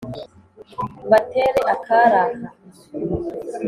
”mbatere akari aha!”